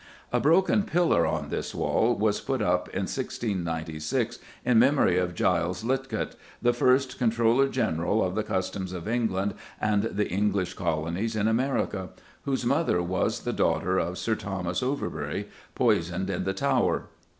A broken pillar on this wall was put up in 1696 in memory of Giles Lytcott, "the first Controller General of the Customs of England and the English Colonies in America," whose mother was the daughter of Sir Thomas Overbury, poisoned in the Tower.